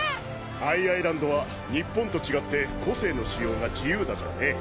Ｉ・アイランドは日本と違って個性の使用が自由だからね。